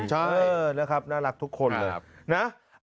ใช่นะครับน่ารักทุกคนเลยนะครับนะครับ